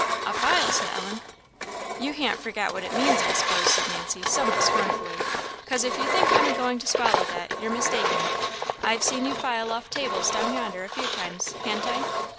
"A file!" said Ellen. "You han't forgot what it means, I s'pose," said Nancy, somewhat scornfully " 'cause if you think I'm a going to swallow that, you're mistaken. I've seen you file off tables down yonder a few times, han't I?"